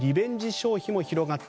消費も広がった。